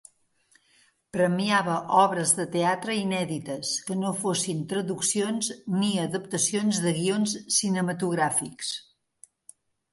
Premiava obres de teatre inèdites que no fossin traduccions ni adaptacions de guions cinematogràfics.